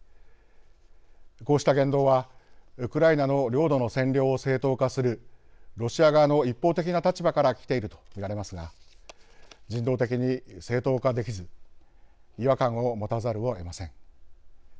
こうした言動はウクライナの領土の占領を正当化するロシア側の一方的な立場からきていると見られますが人道的に正当化できず違和感を持たざるをえません。